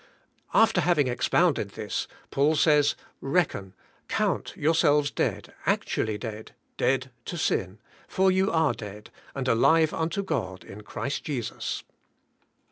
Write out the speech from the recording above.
After having expounded this, Paul says, *' Reckon," count, yourselves dead, actually dead, dead to sin; for you are dead, and alive unto God in Christ Jesus.